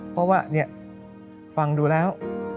เพราะว่าฟังดูแล้ว